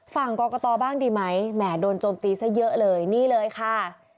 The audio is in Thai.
ฝั่งกรกตบ้างดีไหมแหมโดนโจมตีซะเยอะเลยนี่เลยค่ะ